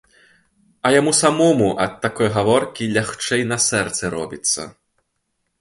А яму самому ад такой гаворкі лягчэй на сэрцы робіцца.